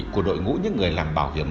của đội ngũ những người làm bảo hiểm